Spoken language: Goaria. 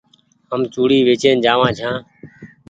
هم چوڙي وچيئن جآ وآن ڇآن ۔